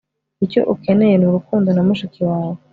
icyo ukeneye ni urukundo na mushiki wawe